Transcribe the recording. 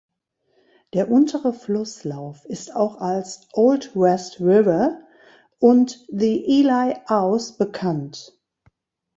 Der untere Flusslauf ist auch als "Old West River" und "The Ely Ouse" bekannt.